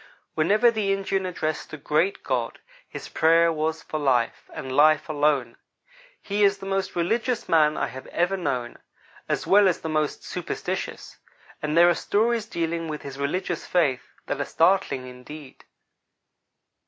Whenever the Indian addressed the Great God, his prayer was for life, and life alone. He is the most religious man I have ever known, as well as the most superstitious; and there are stories dealing with his religious faith that are startling, indeed.